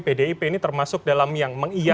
pdip ini termasuk dalam yang mengiakan